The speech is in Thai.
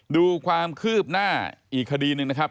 ดูความคืบหน้าอีกคดีหนึ่งนะครับ